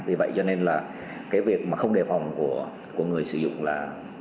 vì vậy cho nên là cái việc mà không đề phòng của người sử dụng là